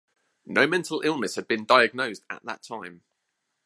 No mental illness had been diagnosed at that time.